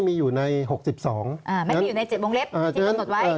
ไม่ได้อยู่ใน๗วงเล็บที่กำหนดไว้